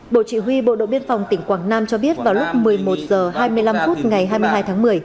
bộ chỉ huy bộ đội biên phòng tỉnh quảng nam cho biết vào lúc một mươi một h hai mươi năm phút ngày hai mươi hai tháng một mươi